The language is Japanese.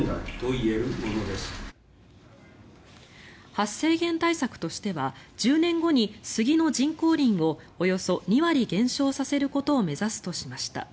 発生源対策としては１０年後に杉の人工林をおよそ２割減少させることを目指すとしました。